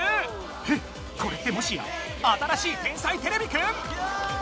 えっこれってもしや新しい「天才てれびくん」